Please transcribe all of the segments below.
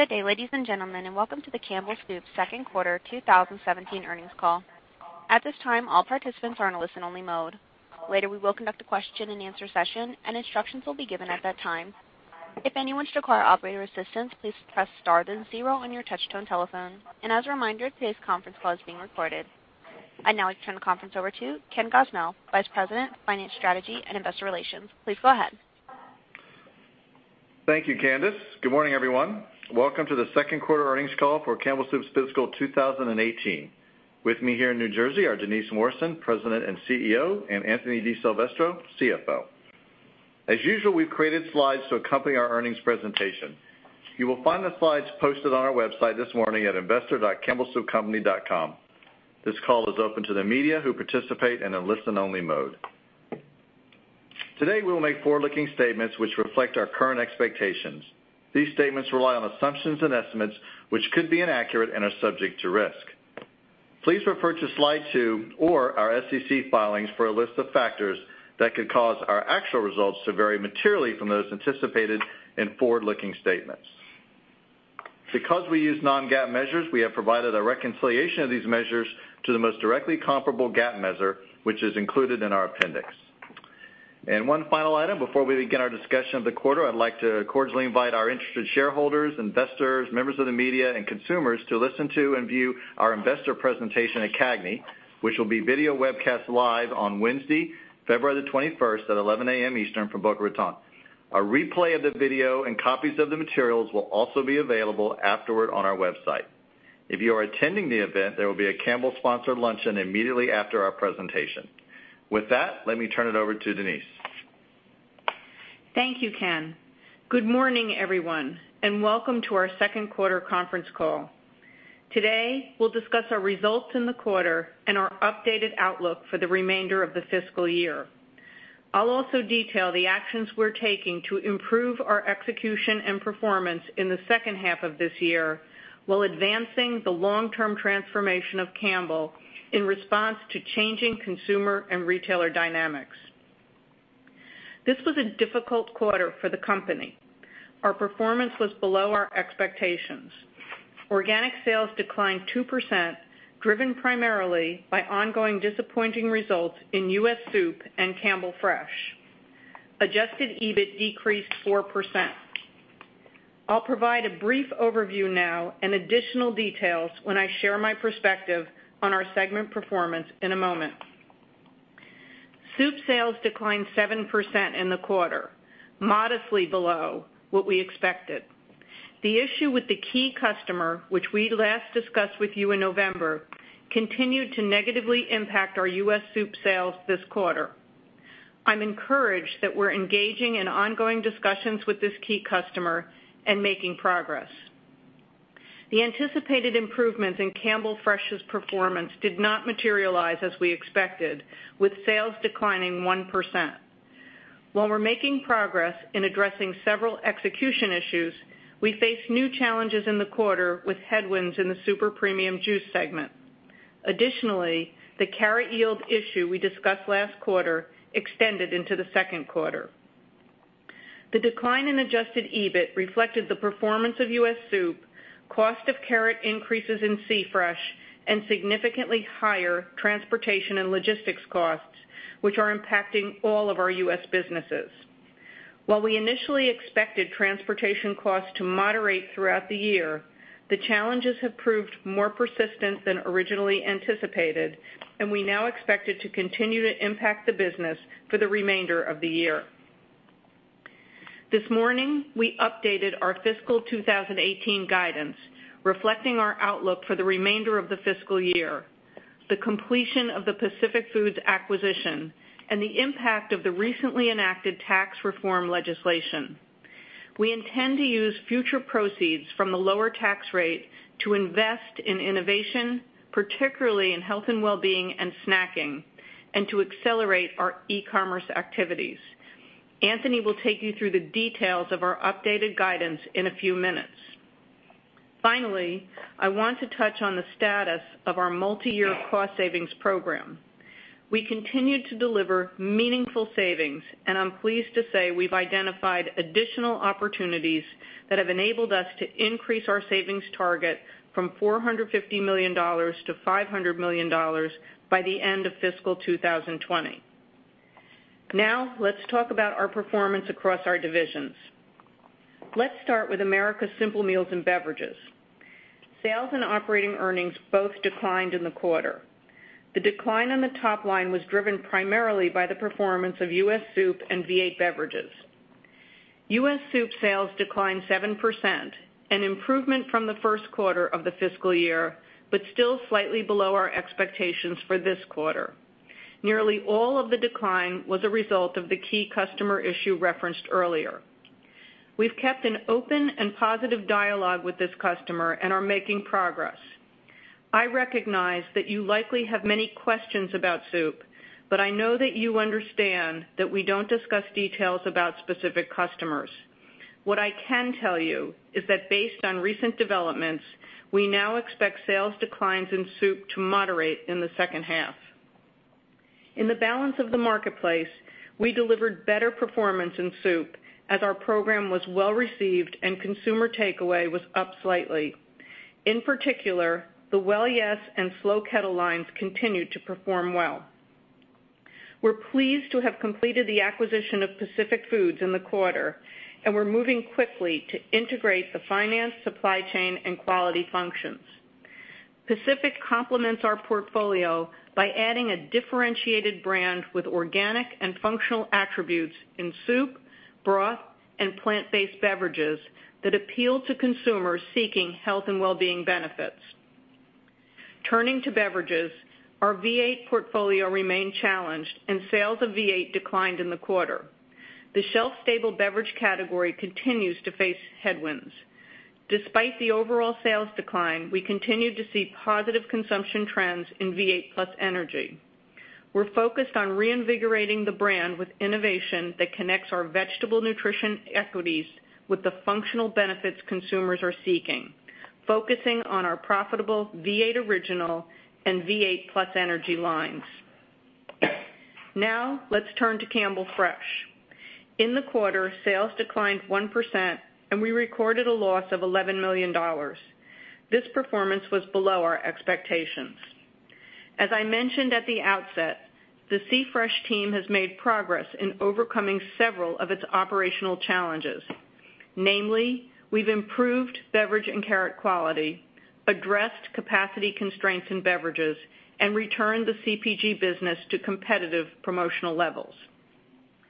Good day, ladies and gentlemen, and welcome to the Campbell Soup second quarter 2017 earnings call. At this time, all participants are in a listen-only mode. Later, we will conduct a question and answer session, and instructions will be given at that time. If anyone should require operator assistance, please press star then zero on your touch-tone telephone. As a reminder, today's conference call is being recorded. I'd now like to turn the conference over to Ken Gosnell, Vice President of Finance Strategy and Investor Relations. Please go ahead. Thank you, Candice. Good morning, everyone. Welcome to the second quarter earnings call for Campbell's fiscal 2018. With me here in New Jersey are Denise Morrison, President and CEO, and Anthony DiSilvestro, CFO. As usual, we've created slides to accompany our earnings presentation. You will find the slides posted on our website this morning at investor.campbellsoupcompany.com. This call is open to the media who participate in a listen-only mode. Today we will make forward-looking statements which reflect our current expectations. These statements rely on assumptions and estimates, which could be inaccurate and are subject to risk. Please refer to Slide 2 or our SEC filings for a list of factors that could cause our actual results to vary materially from those anticipated in forward-looking statements. Because we use non-GAAP measures, we have provided a reconciliation of these measures to the most directly comparable GAAP measure, which is included in our appendix. One final item before we begin our discussion of the quarter, I'd like to cordially invite our interested shareholders, investors, members of the media, and consumers to listen to and view our investor presentation at CAGNY, which will be video webcast live on Wednesday, February the 21st at 11:00 A.M. Eastern from Boca Raton. A replay of the video and copies of the materials will also be available afterward on our website. If you are attending the event, there will be a Campbell-sponsored luncheon immediately after our presentation. With that, let me turn it over to Denise. Thank you, Ken. Good morning, everyone, and welcome to our second quarter conference call. Today, we'll discuss our results in the quarter and our updated outlook for the remainder of the fiscal year. I'll also detail the actions we're taking to improve our execution and performance in the second half of this year while advancing the long-term transformation of Campbell in response to changing consumer and retailer dynamics. This was a difficult quarter for the company. Our performance was below our expectations. Organic sales declined 2%, driven primarily by ongoing disappointing results in U.S. soup and Campbell Fresh. Adjusted EBIT decreased 4%. I'll provide a brief overview now and additional details when I share my perspective on our segment performance in a moment. Soup sales declined 7% in the quarter, modestly below what we expected. The issue with the key customer, which we last discussed with you in November, continued to negatively impact our U.S. soup sales this quarter. I'm encouraged that we're engaging in ongoing discussions with this key customer and making progress. The anticipated improvements in Campbell Fresh's performance did not materialize as we expected, with sales declining 1%. While we're making progress in addressing several execution issues, we face new challenges in the quarter with headwinds in the super premium juice segment. Additionally, the carrot yield issue we discussed last quarter extended into the second quarter. The decline in adjusted EBIT reflected the performance of U.S. soup, cost of carrot increases in C Fresh, and significantly higher transportation and logistics costs, which are impacting all of our U.S. businesses. While we initially expected transportation costs to moderate throughout the year, the challenges have proved more persistent than originally anticipated. We now expect it to continue to impact the business for the remainder of the year. This morning, we updated our fiscal 2018 guidance, reflecting our outlook for the remainder of the fiscal year, the completion of the Pacific Foods acquisition, and the impact of the recently enacted tax reform legislation. We intend to use future proceeds from the lower tax rate to invest in innovation, particularly in health and wellbeing and snacking, and to accelerate our e-commerce activities. Anthony will take you through the details of our updated guidance in a few minutes. Finally, I want to touch on the status of our multi-year cost savings program. We continue to deliver meaningful savings. I'm pleased to say we've identified additional opportunities that have enabled us to increase our savings target from $450 million to $500 million by the end of fiscal 2020. Now, let's talk about our performance across our divisions. Let's start with America's Simple Meals and Beverages. Sales and operating earnings both declined in the quarter. The decline on the top line was driven primarily by the performance of U.S. soup and V8 beverages. U.S. soup sales declined 7%, an improvement from the first quarter of the fiscal year, but still slightly below our expectations for this quarter. Nearly all of the decline was a result of the key customer issue referenced earlier. We've kept an open and positive dialogue with this customer and are making progress. I recognize that you likely have many questions about soup. I know that you understand that we don't discuss details about specific customers. What I can tell you is that based on recent developments, we now expect sales declines in soup to moderate in the second half. In the balance of the marketplace, we delivered better performance in soup as our program was well-received. Consumer takeaway was up slightly. In particular, the Well Yes! and Slow Kettle lines continued to perform well. We're pleased to have completed the acquisition of Pacific Foods in the quarter. We're moving quickly to integrate the finance, supply chain, and quality functions. Pacific complements our portfolio by adding a differentiated brand with organic and functional attributes in soup, broth, and plant-based beverages that appeal to consumers seeking health and wellbeing benefits. Turning to beverages, our V8 portfolio remained challenged and sales of V8 declined in the quarter. The shelf-stable beverage category continues to face headwinds. Despite the overall sales decline, we continued to see positive consumption trends in V8 +Energy. We're focused on reinvigorating the brand with innovation that connects our vegetable nutrition equities with the functional benefits consumers are seeking, focusing on our profitable V8 Original and V8 +Energy lines. Now, let's turn to Campbell Fresh. In the quarter, sales declined 1%, and we recorded a loss of $11 million. This performance was below our expectations. As I mentioned at the outset, the C Fresh team has made progress in overcoming several of its operational challenges. Namely, we've improved beverage and carrot quality, addressed capacity constraints in beverages, and returned the CPG business to competitive promotional levels.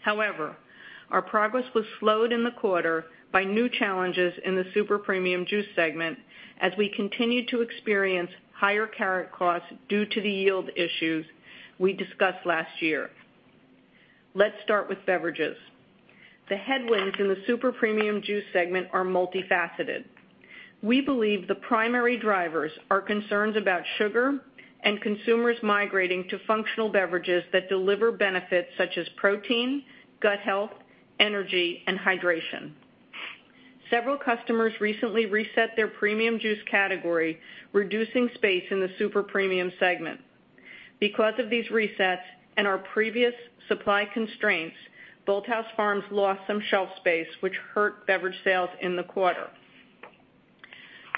Our progress was slowed in the quarter by new challenges in the super premium juice segment, as we continued to experience higher carrot costs due to the yield issues we discussed last year. Let's start with beverages. The headwinds in the super premium juice segment are multifaceted. We believe the primary drivers are concerns about sugar and consumers migrating to functional beverages that deliver benefits such as protein, gut health, energy, and hydration. Several customers recently reset their premium juice category, reducing space in the super premium segment. Because of these resets and our previous supply constraints, Bolthouse Farms lost some shelf space, which hurt beverage sales in the quarter.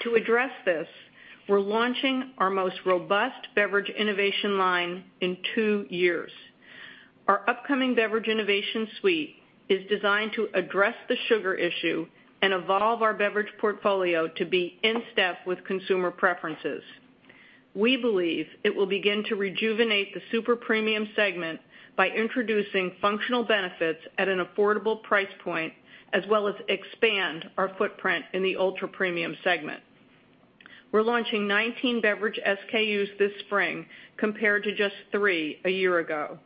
To address this, we're launching our most robust beverage innovation line in two years. Our upcoming beverage innovation suite is designed to address the sugar issue and evolve our beverage portfolio to be in step with consumer preferences. We believe it will begin to rejuvenate the super premium segment by introducing functional benefits at an affordable price point, as well as expand our footprint in the ultra-premium segment. We're launching 19 beverage SKUs this spring compared to just three a year ago.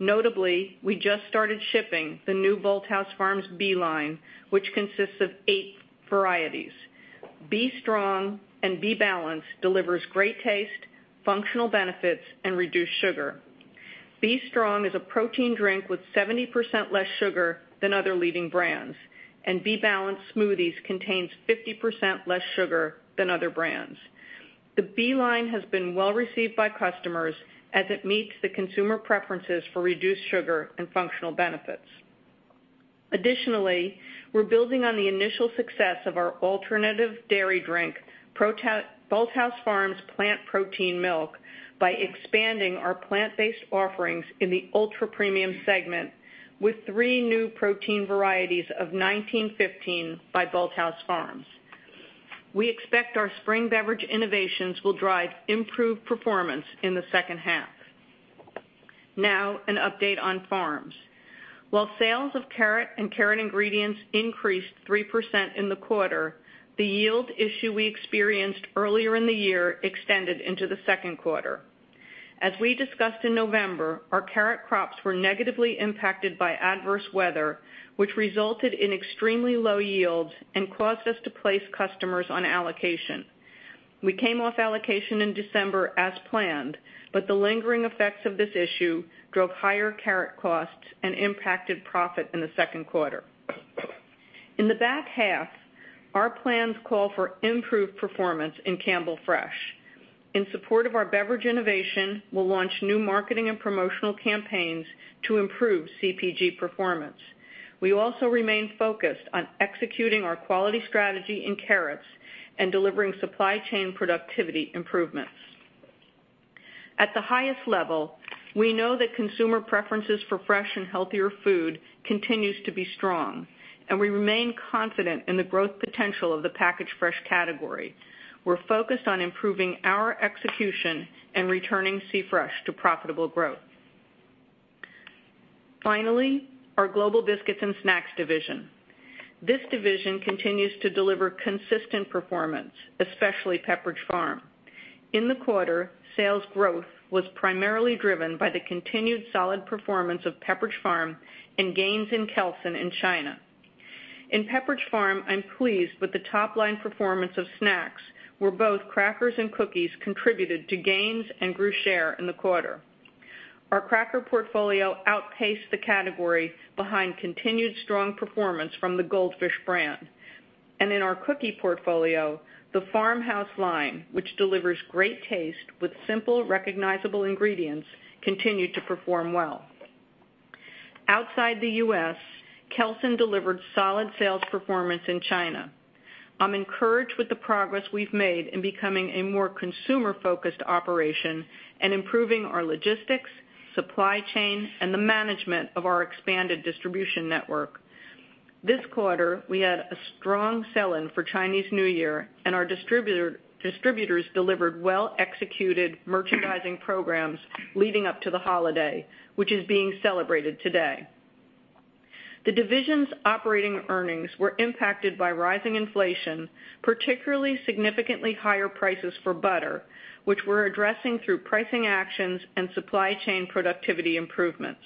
Notably, we just started shipping the new Bolthouse Farms B Line, which consists of eight varieties. B Strong and B Balanced delivers great taste, functional benefits, and reduced sugar. B Strong is a protein drink with 70% less sugar than other leading brands, and B Balanced Smoothies contains 50% less sugar than other brands. The B Line has been well received by customers as it meets the consumer preferences for reduced sugar and functional benefits. We're building on the initial success of our alternative dairy drink, Bolthouse Farms Plant Protein Milk, by expanding our plant-based offerings in the ultra-premium segment with three new protein varieties of 1915 by Bolthouse Farms. We expect our spring beverage innovations will drive improved performance in the second half. Now, an update on farms. While sales of carrot and carrot ingredients increased 3% in the quarter, the yield issue we experienced earlier in the year extended into the second quarter. As we discussed in November, our carrot crops were negatively impacted by adverse weather, which resulted in extremely low yields and caused us to place customers on allocation. We came off allocation in December as planned, but the lingering effects of this issue drove higher carrot costs and impacted profit in the second quarter. In the back half, our plans call for improved performance in Campbell Fresh. In support of our beverage innovation, we'll launch new marketing and promotional campaigns to improve CPG performance. We also remain focused on executing our quality strategy in carrots and delivering supply chain productivity improvements. At the highest level, we know that consumer preferences for fresh and healthier food continues to be strong, and we remain confident in the growth potential of the packaged fresh category. We're focused on improving our execution and returning Campbell Fresh to profitable growth. Finally, our Global Biscuits and Snacks division. This division continues to deliver consistent performance, especially Pepperidge Farm. In the quarter, sales growth was primarily driven by the continued solid performance of Pepperidge Farm and gains in Kelsen in China. In Pepperidge Farm, I'm pleased with the top-line performance of snacks, where both crackers and cookies contributed to gains and grew share in the quarter. Our cracker portfolio outpaced the category behind continued strong performance from the Goldfish brand. In our cookie portfolio, the Farmhouse line, which delivers great taste with simple, recognizable ingredients, continued to perform well. Outside the U.S., Kelsen delivered solid sales performance in China. I'm encouraged with the progress we've made in becoming a more consumer-focused operation and improving our logistics, supply chain, and the management of our expanded distribution network. This quarter, we had a strong sell-in for Chinese New Year, and our distributors delivered well-executed merchandising programs leading up to the holiday, which is being celebrated today. The division's operating earnings were impacted by rising inflation, particularly significantly higher prices for butter, which we're addressing through pricing actions and supply chain productivity improvements.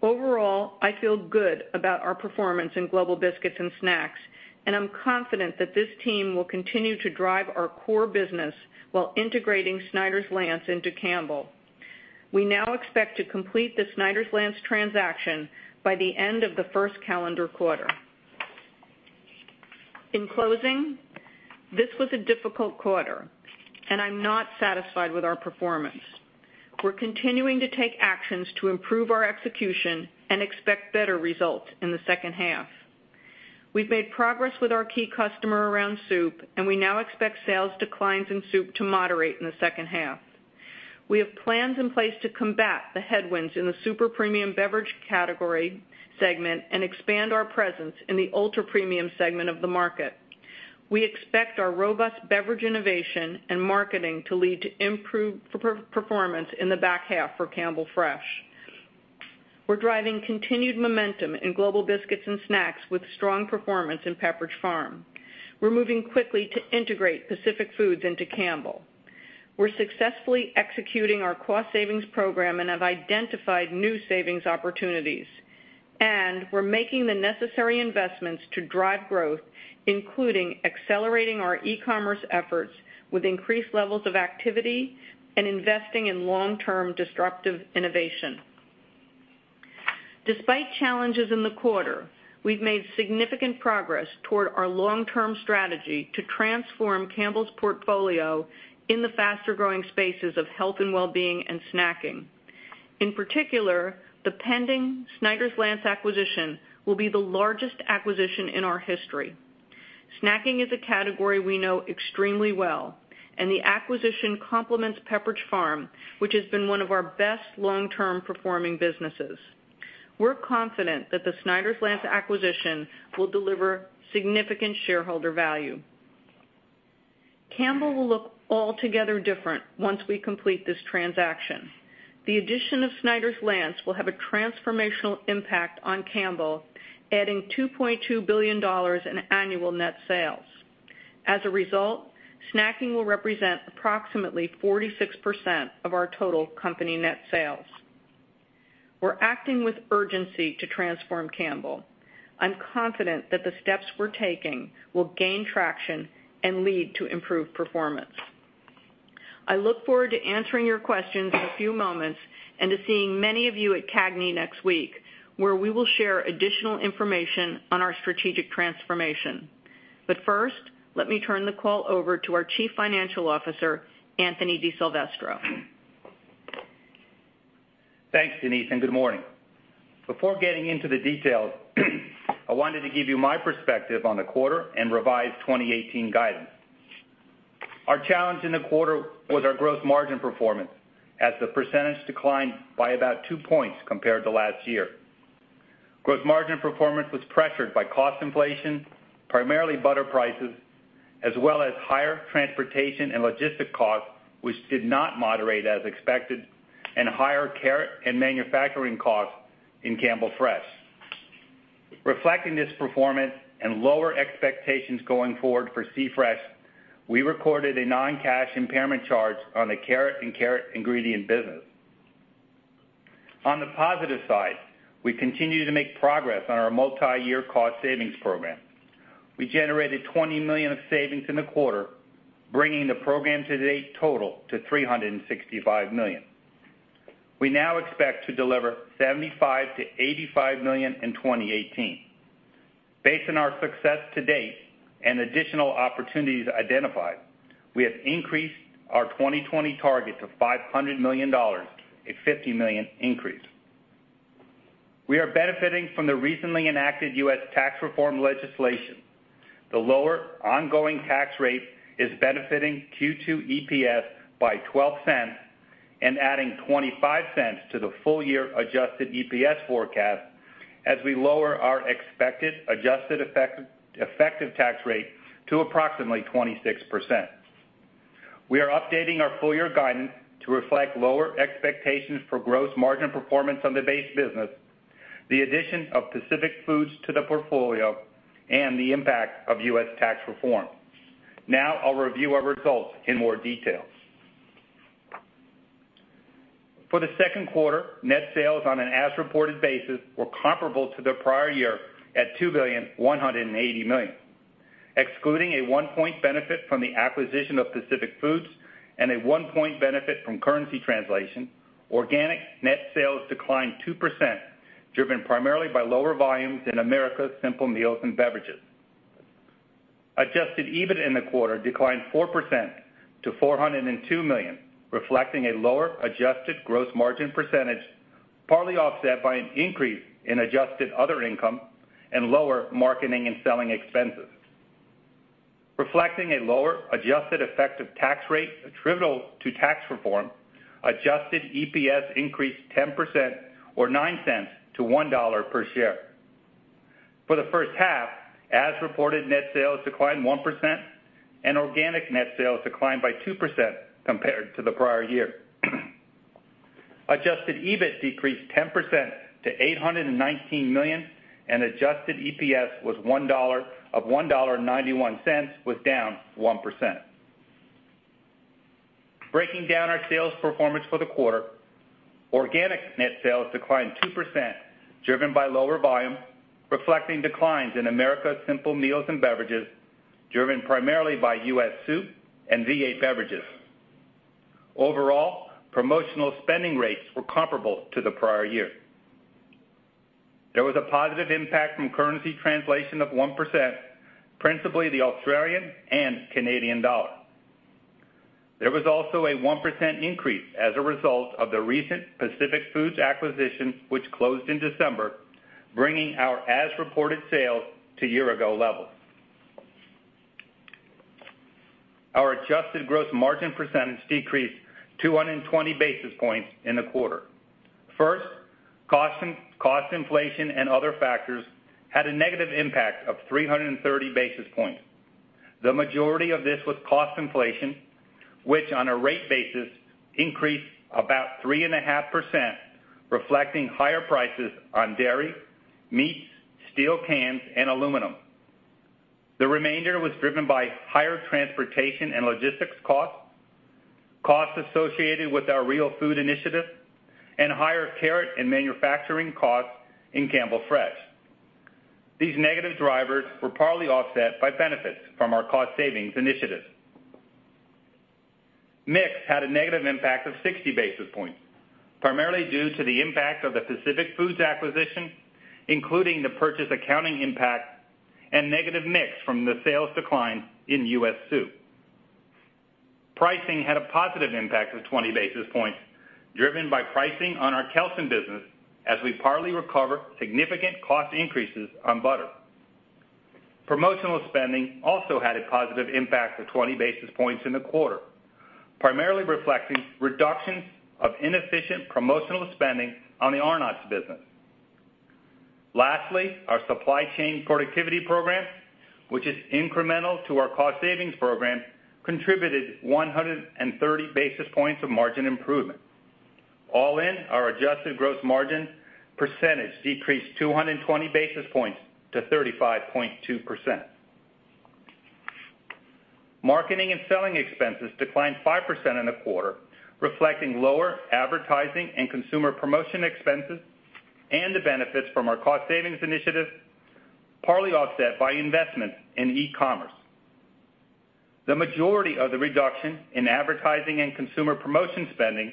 Overall, I feel good about our performance in Global Biscuits and Snacks, and I'm confident that this team will continue to drive our core business while integrating Snyder's-Lance into Campbell. We now expect to complete the Snyder's-Lance transaction by the end of the first calendar quarter. In closing, this was a difficult quarter, and I'm not satisfied with our performance. We're continuing to take actions to improve our execution and expect better results in the second half. We've made progress with our key customer around soup, and we now expect sales declines in soup to moderate in the second half. We have plans in place to combat the headwinds in the super premium beverage category segment and expand our presence in the ultra-premium segment of the market. We expect our robust beverage innovation and marketing to lead to improved performance in the back half for Campbell Fresh. We're driving continued momentum in Global Biscuits and Snacks with strong performance in Pepperidge Farm. We're moving quickly to integrate Pacific Foods into Campbell. We're successfully executing our cost savings program and have identified new savings opportunities. We're making the necessary investments to drive growth, including accelerating our e-commerce efforts with increased levels of activity and investing in long-term disruptive innovation. Despite challenges in the quarter, we've made significant progress toward our long-term strategy to transform Campbell's portfolio in the faster-growing spaces of health and wellbeing and snacking. In particular, the pending Snyder's-Lance acquisition will be the largest acquisition in our history. Snacking is a category we know extremely well, and the acquisition complements Pepperidge Farm, which has been one of our best long-term performing businesses. We're confident that the Snyder's-Lance acquisition will deliver significant shareholder value. Campbell will look altogether different once we complete this transaction. The addition of Snyder's-Lance will have a transformational impact on Campbell, adding $2.2 billion in annual net sales. As a result, snacking will represent approximately 46% of our total company net sales. We're acting with urgency to transform Campbell. I'm confident that the steps we're taking will gain traction and lead to improved performance. I look forward to answering your questions in a few moments and to seeing many of you at CAGNY next week, where we will share additional information on our strategic transformation. First, let me turn the call over to our Chief Financial Officer, Anthony DiSilvestro. Thanks, Denise, and good morning. Before getting into the details, I wanted to give you my perspective on the quarter and revised 2018 guidance. Our challenge in the quarter was our gross margin performance, as the percentage declined by about two points compared to last year. Gross margin performance was pressured by cost inflation, primarily butter prices, as well as higher transportation and logistic costs, which did not moderate as expected, and higher carrot and manufacturing costs in Campbell Fresh. Reflecting this performance and lower expectations going forward for C Fresh, we recorded a non-cash impairment charge on the carrot and carrot ingredient business. On the positive side, we continue to make progress on our multi-year cost savings program. We generated $20 million of savings in the quarter, bringing the program to date total to $365 million. We now expect to deliver $75 million-$85 million in 2018. Based on our success to date and additional opportunities identified, we have increased our 2020 target to $500 million, a $50 million increase. We are benefiting from the recently enacted U.S. tax reform legislation. The lower ongoing tax rate is benefiting Q2 EPS by $0.12 and adding $0.25 to the full-year adjusted EPS forecast as we lower our expected adjusted effective tax rate to approximately 26%. We are updating our full-year guidance to reflect lower expectations for gross margin performance on the base business, the addition of Pacific Foods to the portfolio, and the impact of U.S. tax reform. I'll review our results in more detail. For the second quarter, net sales on an as-reported basis were comparable to the prior year at $2,180,000,000. Excluding a one-point benefit from the acquisition of Pacific Foods and a one-point benefit from currency translation, organic net sales declined 2%, driven primarily by lower volumes in America's Simple Meals & Beverages. Adjusted EBIT in the quarter declined 4% to $402 million, reflecting a lower adjusted gross margin percentage, partly offset by an increase in adjusted other income and lower marketing and selling expenses. Reflecting a lower adjusted effective tax rate attributable to tax reform, adjusted EPS increased 10% or $0.09 to $1 per share. For the first half, as-reported net sales declined 1% and organic net sales declined by 2% compared to the prior year. Adjusted EBIT decreased 10% to $819 million and adjusted EPS of $1.91 was down 1%. Breaking down our sales performance for the quarter, organic net sales declined 2%, driven by lower volume, reflecting declines in America's Simple Meals & Beverages, driven primarily by U.S. soup and V8 beverages. Overall, promotional spending rates were comparable to the prior year. There was a positive impact from currency translation of 1%, principally the Australian and Canadian dollar. There was also a 1% increase as a result of the recent Pacific Foods acquisition, which closed in December, bringing our as-reported sales to year-ago levels. Our adjusted gross margin percentage decreased 220 basis points in the quarter. First, cost inflation and other factors had a negative impact of 330 basis points. The majority of this was cost inflation, which on a rate basis increased about 3.5%, reflecting higher prices on dairy, meats, steel cans and aluminum. The remainder was driven by higher transportation and logistics costs associated with our Real Food Initiative, and higher carrot and manufacturing costs in Campbell Fresh. These negative drivers were partly offset by benefits from our cost savings initiatives. Mix had a negative impact of 60 basis points, primarily due to the impact of the Pacific Foods acquisition, including the purchase accounting impact and negative mix from the sales decline in U.S. soup. Pricing had a positive impact of 20 basis points, driven by pricing on our Kelsen business as we partly recover significant cost increases on butter. Promotional spending also had a positive impact of 20 basis points in the quarter, primarily reflecting reductions of inefficient promotional spending on the Arnott's business. Lastly, our supply chain productivity program, which is incremental to our cost savings program, contributed 130 basis points of margin improvement. All in, our adjusted gross margin percentage decreased 220 basis points to 35.2%. Marketing and selling expenses declined 5% in the quarter, reflecting lower advertising and consumer promotion expenses and the benefits from our cost savings initiative, partly offset by investments in e-commerce. The majority of the reduction in advertising and consumer promotion spending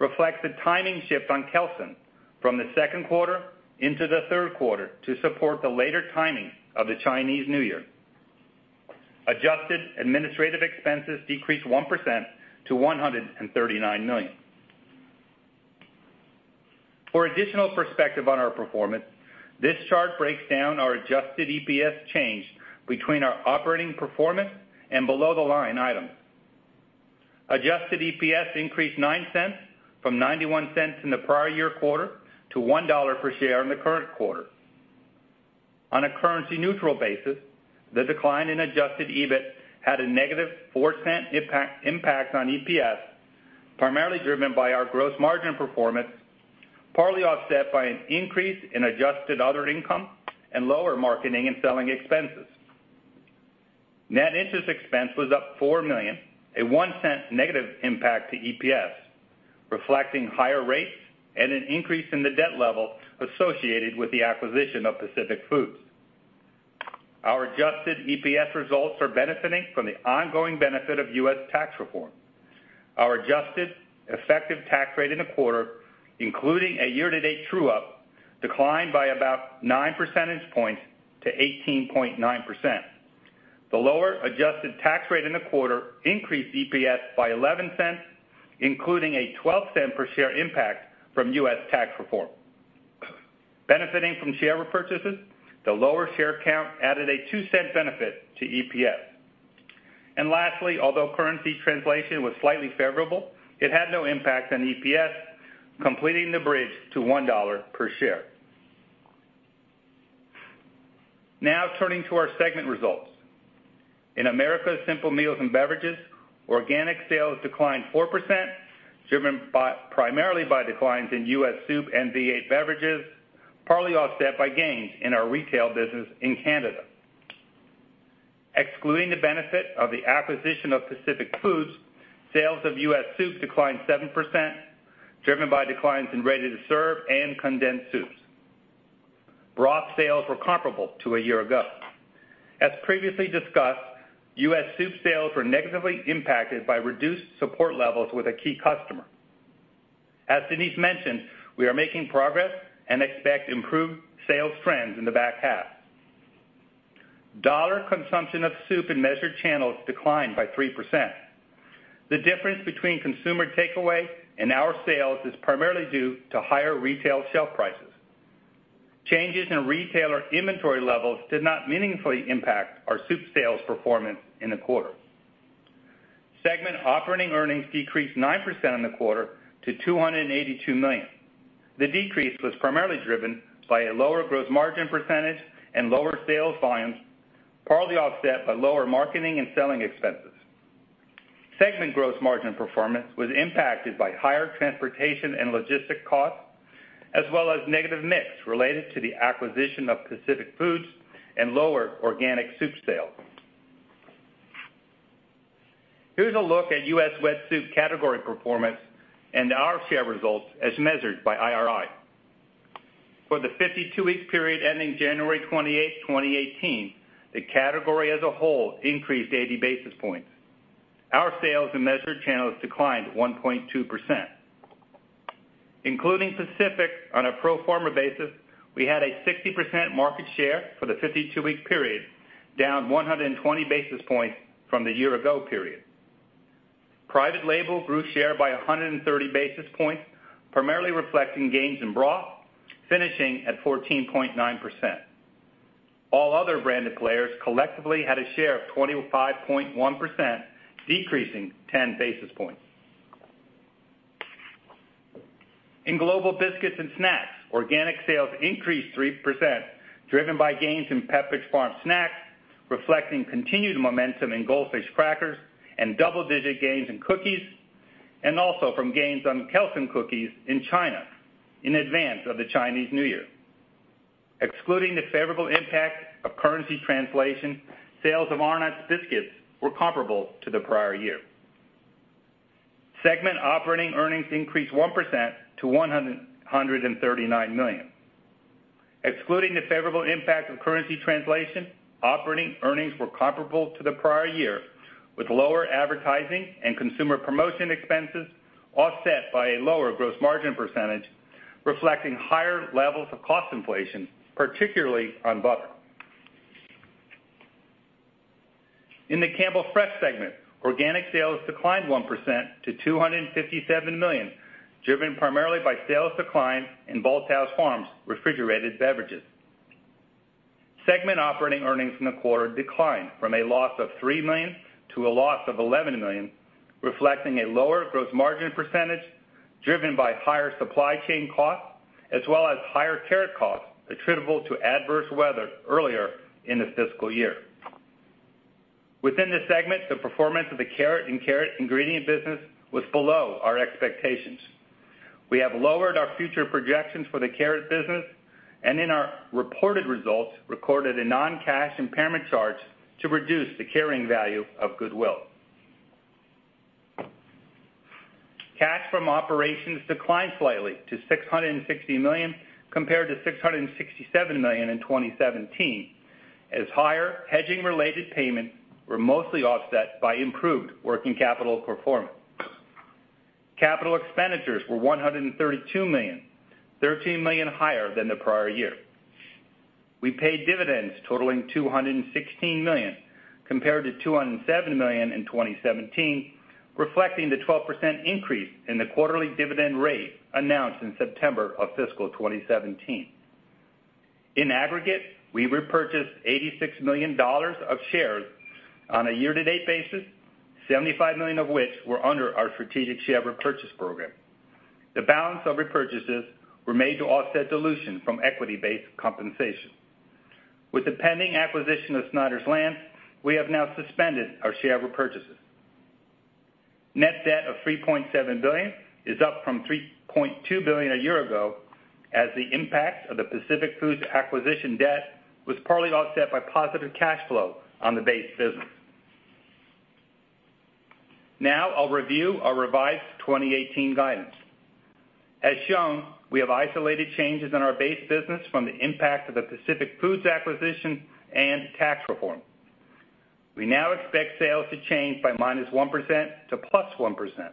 reflects a timing shift on Kelsen from the second quarter into the third quarter to support the later timing of the Chinese New Year. Adjusted administrative expenses decreased 1% to $139 million. For additional perspective on our performance, this chart breaks down our adjusted EPS change between our operating performance and below-the-line items. Adjusted EPS increased $0.09 from $0.91 in the prior year quarter to $1 per share in the current quarter. On a currency-neutral basis, the decline in adjusted EBIT had a negative 4% impact on EPS, primarily driven by our gross margin performance, partly offset by an increase in adjusted other income and lower marketing and selling expenses. Net interest expense was up $4 million, a $0.01 negative impact to EPS, reflecting higher rates and an increase in the debt level associated with the acquisition of Pacific Foods. Our adjusted EPS results are benefiting from the ongoing benefit of U.S. tax reform. Our adjusted effective tax rate in the quarter, including a year-to-date true-up, declined by about nine percentage points to 18.9%. The lower adjusted tax rate in the quarter increased EPS by $0.11, including a $0.12 per share impact from U.S. tax reform. Benefiting from share repurchases, the lower share count added a $0.02 benefit to EPS. Lastly, although currency translation was slightly favorable, it had no impact on EPS, completing the bridge to $1 per share. Turning to our segment results. In America's Simple Meals & Beverages, organic sales declined 4%, driven primarily by declines in U.S. soup and V8 beverages, partly offset by gains in our retail business in Canada. Excluding the benefit of the acquisition of Pacific Foods, sales of U.S. soup declined 7% driven by declines in ready-to-serve and condensed soups. Broth sales were comparable to a year ago. As previously discussed, U.S. soup sales were negatively impacted by reduced support levels with a key customer. As Denise mentioned, we are making progress and expect improved sales trends in the back half. Dollar consumption of soup in measured channels declined by 3%. The difference between consumer takeaway and our sales is primarily due to higher retail shelf prices. Changes in retailer inventory levels did not meaningfully impact our soup sales performance in the quarter. Segment operating earnings decreased 9% in the quarter to $282 million. The decrease was primarily driven by a lower gross margin percentage and lower sales volumes, partly offset by lower marketing and selling expenses. Segment gross margin performance was impacted by higher transportation and logistic costs, as well as negative mix related to the acquisition of Pacific Foods and lower organic soup sales. Here's a look at U.S. wet soup category performance and our share results as measured by IRI. For the 52-week period ending January 28th, 2018, the category as a whole increased 80 basis points. Our sales in measured channels declined 1.2%. Including Pacific on a pro forma basis, we had a 60% market share for the 52-week period, down 120 basis points from the year ago period. Private label grew share by 130 basis points, primarily reflecting gains in broth, finishing at 14.9%. All other branded players collectively had a share of 25.1%, decreasing 10 basis points. In Global Biscuits and Snacks, organic sales increased 3%, driven by gains in Pepperidge Farm snacks, reflecting continued momentum in Goldfish crackers and double-digit gains in cookies, and also from gains on Kelsen Cookies in China in advance of the Chinese New Year. Excluding the favorable impact of currency translation, sales of Arnott's biscuits were comparable to the prior year. Segment operating earnings increased 1% to $139 million. Excluding the favorable impact of currency translation, operating earnings were comparable to the prior year, with lower advertising and consumer promotion expenses offset by a lower gross margin percentage, reflecting higher levels of cost inflation, particularly on butter. In the Campbell Fresh segment, organic sales declined 1% to $257 million, driven primarily by sales decline in Bolthouse Farms refrigerated beverages. Segment operating earnings in the quarter declined from a loss of $3 million to a loss of $11 million, reflecting a lower gross margin percentage driven by higher supply chain costs, as well as higher carrot costs attributable to adverse weather earlier in the fiscal year. Within the segment, the performance of the carrot and carrot ingredient business was below our expectations. We have lowered our future projections for the carrot business and in our reported results, recorded a non-cash impairment charge to reduce the carrying value of goodwill. Cash from operations declined slightly to $660 million compared to $667 million in 2017, as higher hedging-related payments were mostly offset by improved working capital performance. Capital expenditures were $132 million, $13 million higher than the prior year. We paid dividends totaling $216 million compared to $207 million in 2017, reflecting the 12% increase in the quarterly dividend rate announced in September of fiscal 2017. In aggregate, we repurchased $86 million of shares on a year-to-date basis, $75 million of which were under our strategic share repurchase program. The balance of repurchases were made to offset dilution from equity-based compensation. With the pending acquisition of Snyder's-Lance, we have now suspended our share repurchases. Net debt of $3.7 billion is up from $3.2 billion a year ago, as the impact of the Pacific Foods acquisition debt was partly offset by positive cash flow on the base business. I'll review our revised 2018 guidance. As shown, we have isolated changes in our base business from the impact of the Pacific Foods acquisition and tax reform. We now expect sales to change by -1% to +1%.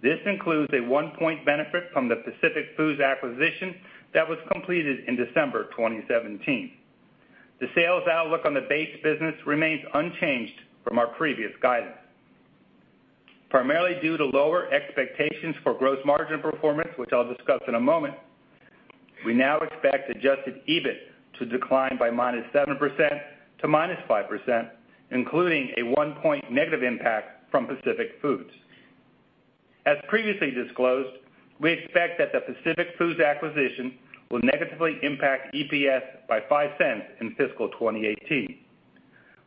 This includes a one-point benefit from the Pacific Foods acquisition that was completed in December 2017. The sales outlook on the base business remains unchanged from our previous guidance. Primarily due to lower expectations for gross margin performance, which I'll discuss in a moment, we now expect adjusted EBIT to decline by -7% to -5%, including a one-point negative impact from Pacific Foods. As previously disclosed, we expect that the Pacific Foods acquisition will negatively impact EPS by $0.05 in fiscal 2018.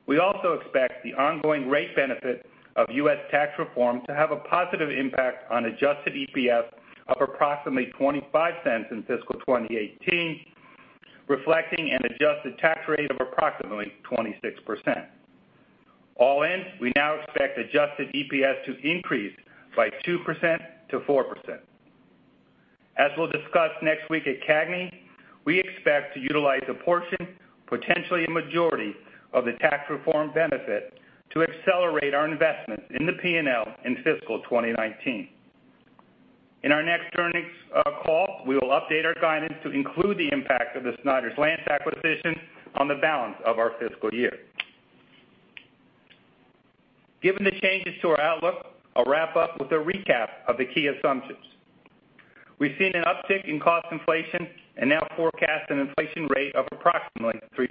We also expect the ongoing rate benefit of U.S. tax reform to have a positive impact on adjusted EPS of approximately $0.25 in fiscal 2018, reflecting an adjusted tax rate of approximately 26%. All in, we now expect adjusted EPS to increase by 2%-4%. As we'll discuss next week at CAGNY, we expect to utilize a portion, potentially a majority, of the tax reform benefit to accelerate our investment in the P&L in fiscal 2019. In our next earnings call, we will update our guidance to include the impact of the Snyder's-Lance acquisition on the balance of our fiscal year. Given the changes to our outlook, I'll wrap up with a recap of the key assumptions. We've seen an uptick in cost inflation and now forecast an inflation rate of approximately 3%.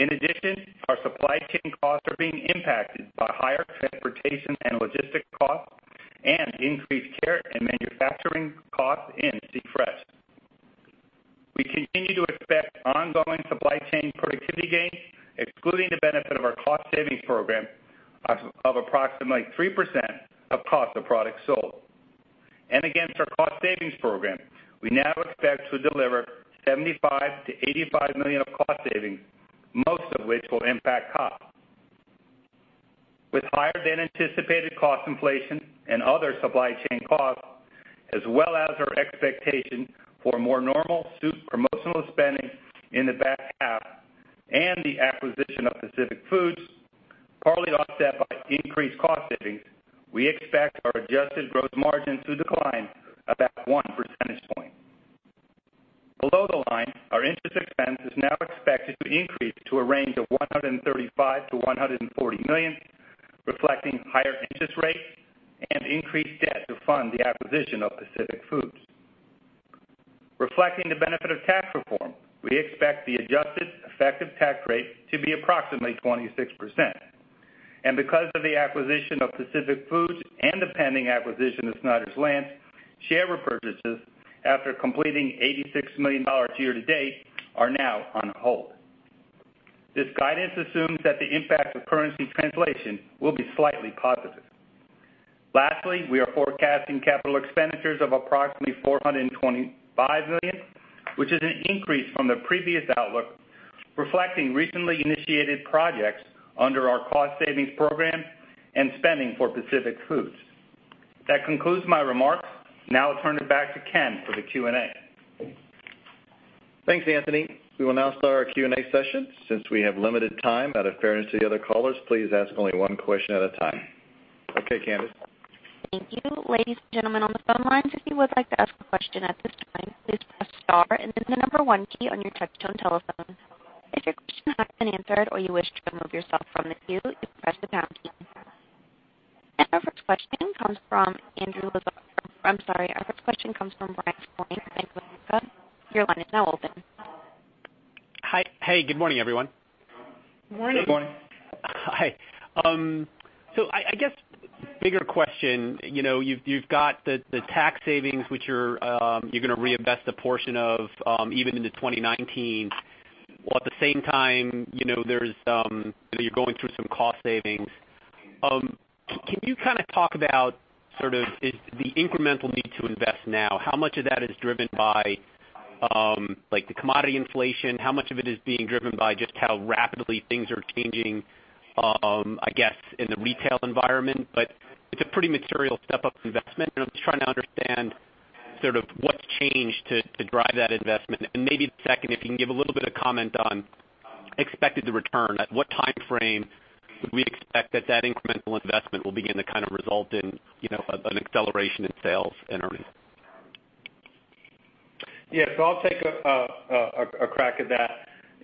In addition, our supply chain costs are being impacted by higher transportation and logistic costs and increased care and manufacturing costs in C Fresh. We continue to expect ongoing supply chain productivity gains, excluding the benefit of our cost savings program of approximately 3% of cost of products sold. Against our cost savings program, we now expect to deliver $75 million-$85 million of cost savings, most of which will impact COGS. With higher than anticipated cost inflation and other supply chain costs, as well as our expectation for more normal soup promotional spending in the back half, and the acquisition of Pacific Foods, partly offset by increased cost savings, we expect our adjusted gross margins to decline about one percentage point. Below the line, our interest expense is now expected to increase to a range of $135 million-$140 million, reflecting higher interest rates and increased debt to fund the acquisition of Pacific Foods. Reflecting the benefit of tax reform, we expect the adjusted effective tax rate to be approximately 26%. Because of the acquisition of Pacific Foods and the pending acquisition of Snyder's-Lance, share repurchases, after completing $86 million year to date, are now on hold. This guidance assumes that the impact of currency translation will be slightly positive. Lastly, we are forecasting capital expenditures of approximately $425 million, which is an increase from the previous outlook, reflecting recently initiated projects under our cost savings program and spending for Pacific Foods. That concludes my remarks. Now I'll turn it back to Ken for the Q&A. Thanks, Anthony. We will now start our Q&A session. Since we have limited time, out of fairness to the other callers, please ask only one question at a time. Okay, Candice. Thank you. Ladies and gentlemen on the phone lines, if you would like to ask a question at this time, please press star and then the number one key on your touch-tone telephone. If your question has been answered or you wish to remove yourself from the queue, you press the pound key. Our first question comes from Bryan Spillane at Bank of America. Your line is now open. Hey, good morning, everyone. Morning. Good morning. Hi. I guess the bigger question, you've got the tax savings, which you're going to reinvest a portion of even into 2019. While at the same time, you're going through some cost savings. Can you talk about the incremental need to invest now, how much of that is driven by the commodity inflation? How much of it is being driven by just how rapidly things are changing, I guess, in the retail environment? It's a pretty material step-up investment, and I'm just trying to understand what's changed to drive that investment. Maybe second, if you can give a little bit of comment on expected return. At what timeframe would we expect that that incremental investment will begin to result in an acceleration in sales and earnings? Yes, I'll take a crack at that.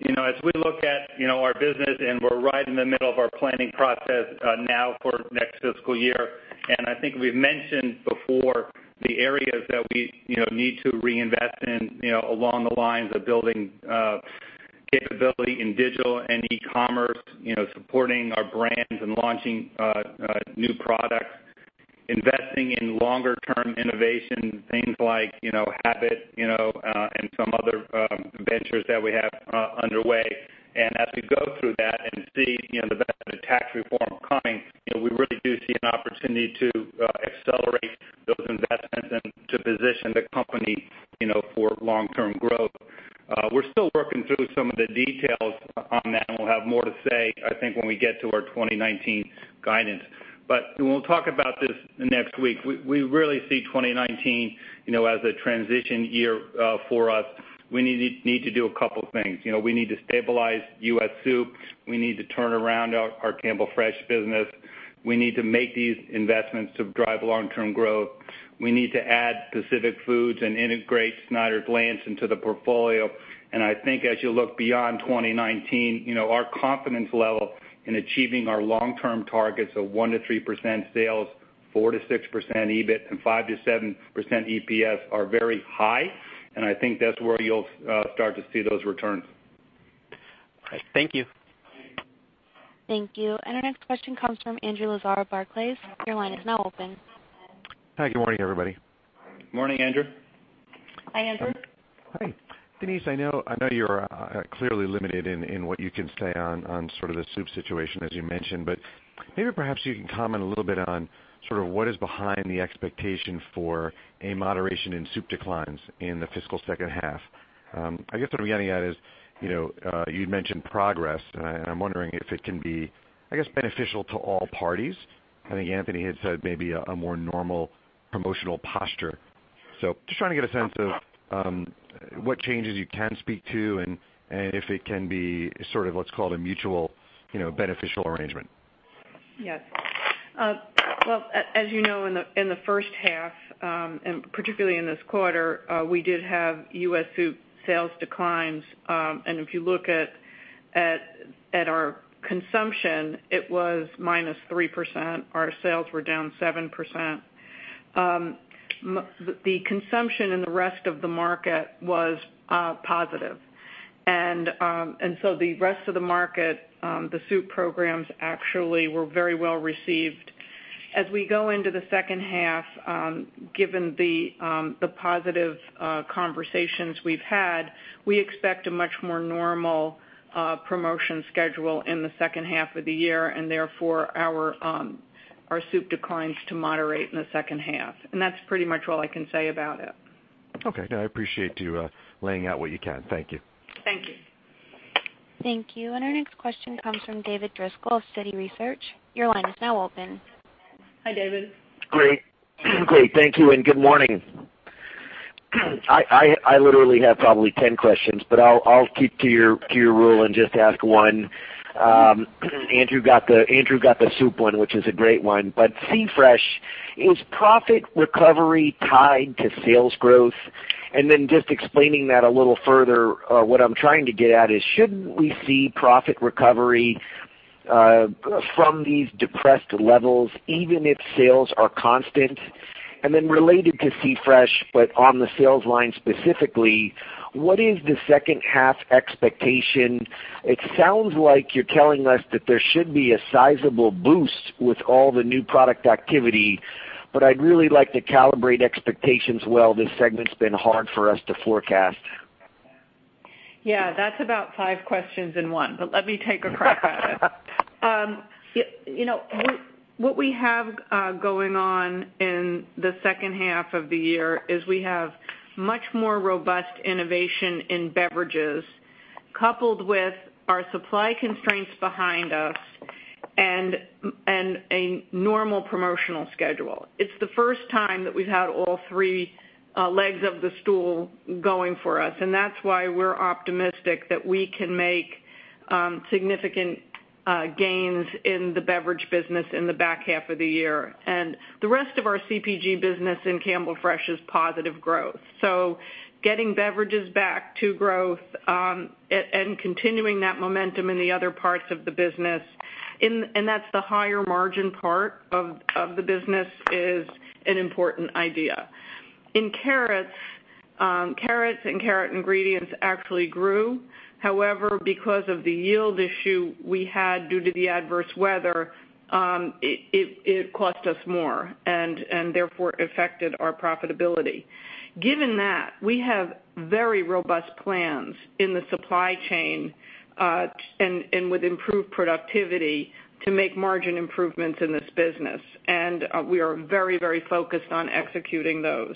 As we look at our business, we're right in the middle of our planning process now for next fiscal year, I think we've mentioned before the areas that we need to reinvest in along the lines of building capability in digital and e-commerce, supporting our brands and launching new products, investing in longer-term innovation, things like Habit, and some other ventures that we have underway. As we go through that and see the benefit of tax reform coming, we really do see an opportunity to accelerate those investments and to position the company for long-term growth. We're still working through some of the details on that, and we'll have more to say, I think, when we get to our 2019 guidance. We'll talk about this next week, we really see 2019 as a transition year for us. We need to do a couple things. We need to stabilize US Soup. We need to turn around our Campbell Fresh business. We need to make these investments to drive long-term growth. We need to add Pacific Foods and integrate Snyder's-Lance into the portfolio. I think as you look beyond 2019, our confidence level in achieving our long-term targets of 1%-3% sales, 4%-6% EBIT, and 5%-7% EPS are very high, and I think that's where you'll start to see those returns. All right. Thank you. Thank you. Our next question comes from Andrew Lazar at Barclays. Your line is now open. Hi, good morning, everybody. Morning, Andrew. Hi, Andrew. Hi. Denise, I know you're clearly limited in what you can say on the soup situation, as you mentioned. Perhaps you can comment a little bit on what is behind the expectation for a moderation in soup declines in the fiscal second half. I guess what I'm getting at is, you'd mentioned progress, and I'm wondering if it can be beneficial to all parties. I think Anthony had said maybe a more normal promotional posture. Just trying to get a sense of what changes you can speak to and if it can be what's called a mutual beneficial arrangement. Yes. Well, as you know, in the first half, and particularly in this quarter, we did have U.S. soup sales declines. If you look at our consumption, it was minus 3%. Our sales were down 7%. The consumption in the rest of the market was positive. The rest of the market, the soup programs actually were very well received. As we go into the second half, given the positive conversations we've had, we expect a much more normal promotion schedule in the second half of the year, and therefore our soup declines to moderate in the second half. That's pretty much all I can say about it. Okay. No, I appreciate you laying out what you can. Thank you. Thank you. Thank you. Our next question comes from David Driscoll of Citi Research. Your line is now open. Hi, David. Great. Thank you and good morning. I literally have probably 10 questions, but I'll keep to your rule and just ask one. Andrew got the soup one, which is a great one. C Fresh, is profit recovery tied to sales growth? Just explaining that a little further, what I'm trying to get at is shouldn't we see profit recovery from these depressed levels even if sales are constant? Related to C Fresh, but on the sales line specifically, what is the second half expectation? It sounds like you're telling us that there should be a sizable boost with all the new product activity, but I'd really like to calibrate expectations well. This segment's been hard for us to forecast. Yeah. That's about five questions in one, but let me take a crack at it. What we have going on in the second half of the year is we have much more robust innovation in beverages coupled with our supply constraints behind us and a normal promotional schedule. It's the first time that we've had all three legs of the stool going for us, and that's why we're optimistic that we can make significant gains in the beverage business in the back half of the year. The rest of our CPG business in Campbell Fresh is positive growth. Getting beverages back to growth, and continuing that momentum in the other parts of the business, and that's the higher margin part of the business, is an important idea. In carrots and carrot ingredients actually grew. However, because of the yield issue we had due to the adverse weather, it cost us more and therefore affected our profitability. Given that, we have very robust plans in the supply chain, and with improved productivity, to make margin improvements in this business. We are very focused on executing those.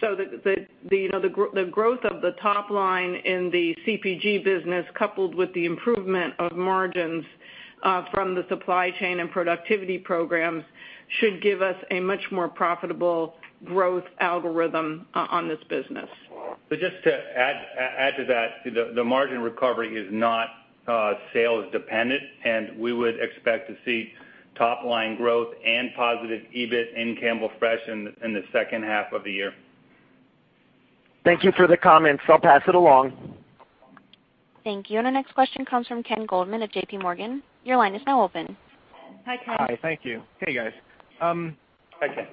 The growth of the top line in the CPG business, coupled with the improvement of margins from the supply chain and productivity programs, should give us a much more profitable growth algorithm on this business. Just to add to that, the margin recovery is not sales dependent, and we would expect to see top-line growth and positive EBIT in Campbell Fresh in the second half of the year. Thank you for the comments. I'll pass it along. Thank you. Our next question comes from Ken Goldman at JPMorgan. Your line is now open. Hi, Ken. Hi. Thank you. Hey, guys. Hi, Ken.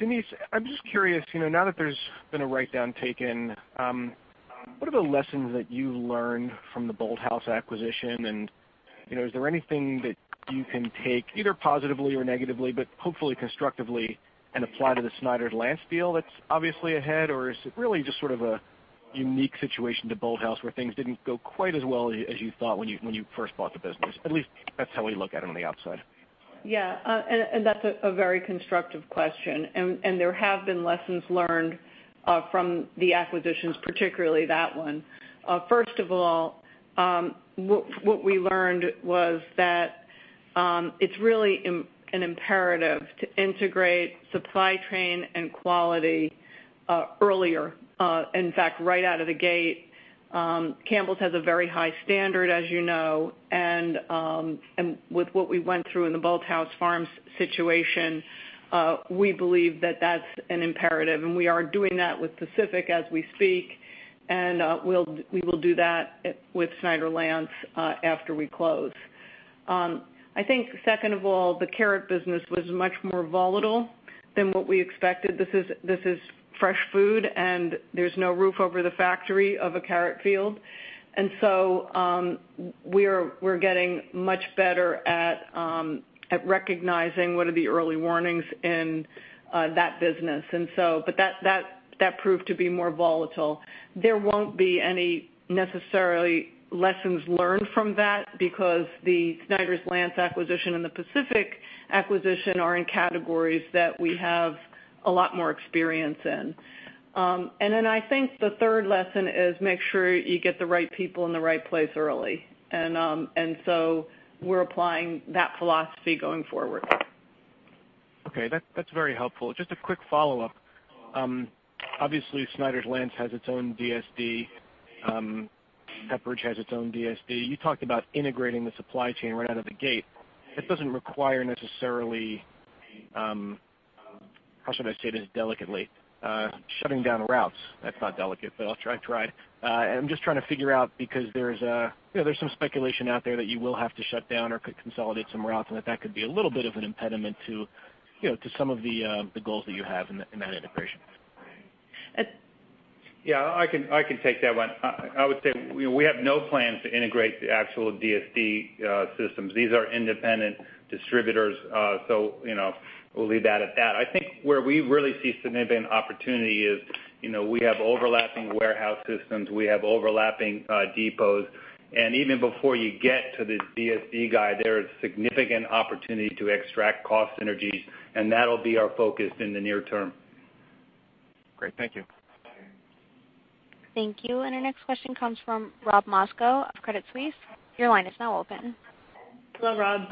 Denise, I'm just curious, now that there's been a write-down taken, what are the lessons that you learned from the Bolthouse acquisition? Is there anything that you can take either positively or negatively, but hopefully constructively, and apply to the Snyder's-Lance deal that's obviously ahead? Is it really just sort of a unique situation to Bolthouse where things didn't go quite as well as you thought when you first bought the business? At least that's how we look at it on the outside. Yeah. That's a very constructive question. There have been lessons learned from the acquisitions, particularly that one. First of all, what we learned was that it's really an imperative to integrate supply chain and quality earlier, in fact, right out of the gate. Campbell's has a very high standard, as you know, and with what we went through in the Bolthouse Farms situation, we believe that that's an imperative, and we are doing that with Pacific as we speak, and we will do that with Snyder's-Lance after we close. I think second of all, the carrot business was much more volatile than what we expected. This is fresh food, and there's no roof over the factory of a carrot field. We're getting much better at recognizing what are the early warnings in that business. That proved to be more volatile. There won't be any necessary lessons learned from that because the Snyder's-Lance acquisition and the Pacific acquisition are in categories that we have a lot more experience in. I think the third lesson is make sure you get the right people in the right place early. We're applying that philosophy going forward. Okay. That's very helpful. Just a quick follow-up. Obviously, Snyder's-Lance has its own DSD. Pepperidge has its own DSD. You talked about integrating the supply chain right out of the gate. That doesn't require necessarily, how should I say this delicately, shutting down routes. That's not delicate, but I tried. I'm just trying to figure out because there's some speculation out there that you will have to shut down or could consolidate some routes, and that that could be a little bit of an impediment to some of the goals that you have in that integration. Yeah, I can take that one. I would say we have no plans to integrate the actual DSD systems. These are independent distributors. We'll leave that at that. I think where we really see significant opportunity is, we have overlapping warehouse systems, we have overlapping depots. Even before you get to the DSD guy, there is significant opportunity to extract cost synergies, and that'll be our focus in the near term. Great. Thank you. Thank you. Our next question comes from Robert Moskow of Credit Suisse. Your line is now open. Hello, Rob.